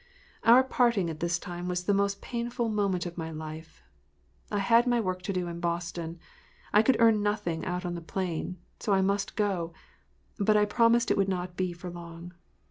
OUR parting at this time was the most painful moment of my life. I had my work to do in Boston. I could earn nothing out on the plain, so I must go, but I promised it would not be for long.